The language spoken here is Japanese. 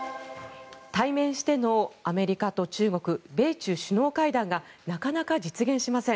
対面してのアメリカと中国米中首脳会談がなかなか実現しません。